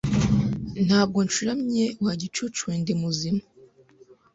Ntabwo ncuramye wa gicucuwe Ndimuzima